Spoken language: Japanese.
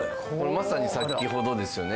「まさに先ほどですよね」